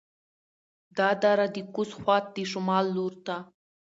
دا دره د کوز خوات د شمال لور ته